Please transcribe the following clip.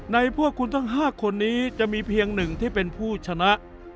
พวกคุณทั้ง๕คนนี้จะมีเพียงหนึ่งที่เป็นผู้ชนะ